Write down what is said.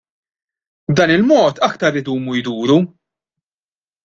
B'dan il-mod aktar idumu jduru.